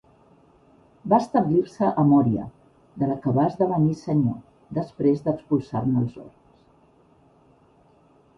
Va establir-se a Mòria, de la que va esdevenir Senyor, després d'expulsar-ne els orcs.